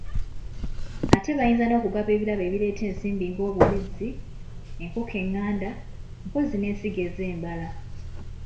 Ate bayinza n’okugaba ebirabo ebireeta ensimbi ng’obubizzi, enkoko eng’anda, mpozzi n’ensigo ez'embala.